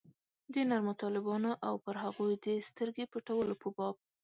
د نرمو طالبانو او پر هغوی د سترګې پټولو په باب.